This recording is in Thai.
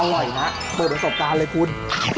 อร่อยมากเปิดประสบการณ์เลยคุณ